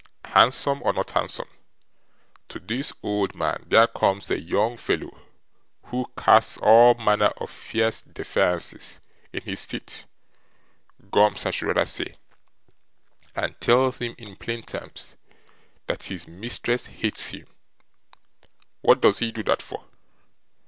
Handsome or not handsome, to this old man there comes a young fellow who casts all manner of fierce defiances in his teeth gums I should rather say and tells him in plain terms that his mistress hates him. What does he do that for?